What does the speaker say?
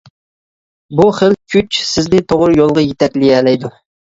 بۇ خىل كۈچ سىزنى توغرا يولغا يېتەكلىيەلەيدۇ.